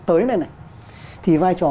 tới này này thì vai trò